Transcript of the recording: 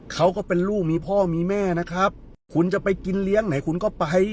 เขาก็เป็นลูกมีพ่อมีแม่นะครับคุณจะไปกินเลี้ยงไหนคุณก็ไป